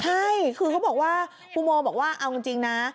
ใช่คือเขาบอกว่าครูโมบอกว่าเอาจริงนะ